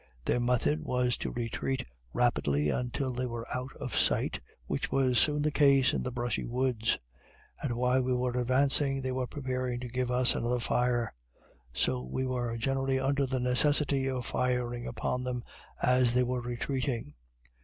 Their method was to retreat rapidly until they were out of sight, (which was soon the case in the brushy woods,) and while we were advancing they were preparing to give us another fire; so we were generally under the necessity of firing upon them as they were retreating.